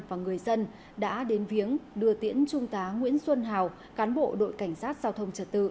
và người dân đã đến viếng đưa tiễn trung tá nguyễn xuân hào cán bộ đội cảnh sát giao thông trật tự